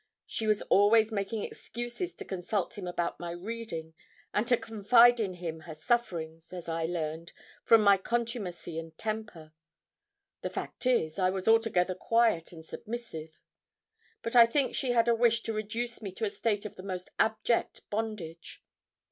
She was always making excuses to consult him about my reading, and to confide in him her sufferings, as I learned, from my contumacy and temper. The fact is, I was altogether quiet and submissive. But I think she had a wish to reduce me to a state of the most abject bondage.